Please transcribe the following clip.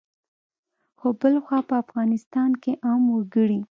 خو بلخوا په افغانستان کې عام وګړي